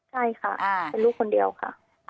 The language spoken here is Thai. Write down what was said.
ใช่ค่ะเป็นลูกคนเดียวค่ะ